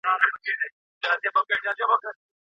هیوادونه نړیوالو مسایلو ته بې له ژمنتیا نه نه ننوځي.